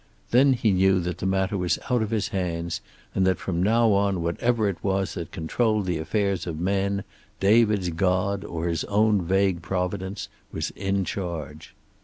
Then he knew that the matter was out of his hands, and that from now on whatever it was that controlled the affairs of men, David's God or his own vague Providence, was in charge.